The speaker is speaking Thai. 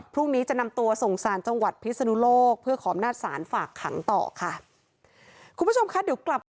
พรุ่งนี้จะนำตัวส่งสารจังหวัดพิสุนุโลกเพื่อขอบนาศาลฝากขังต่อค่ะ